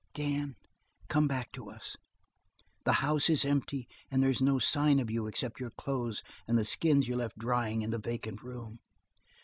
"Dan come back to us. The house is empty and there's no sign of you except your clothes and the skins you left drying in the vacant room.